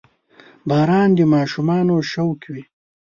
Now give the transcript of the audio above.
• باران د ماشومانو شوق وي.